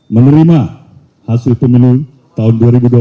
menerima hasil pemilu tahun dua ribu dua puluh empat